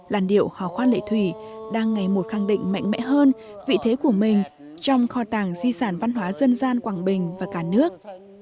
làn điệu hò khoa lệ thủy đang ngày một khẳng định mạnh mẽ hơn vị thế của mình trong kho tàng di sản văn hóa dân gian quảng bình và cả nước